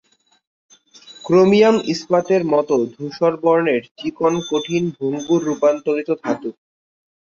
Chromium ইস্পাতের মতো ধূসর বর্ণের, চিকন, কঠিন, ভঙ্গুর রূপান্তরিত ধাতু।